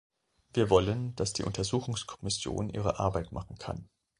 Wir wollen, dass die Untersuchungskommission ihre Arbeit machen kann.